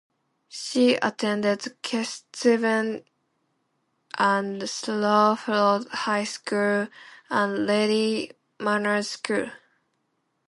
She attended Kesteven and Sleaford High School and Lady Manners School.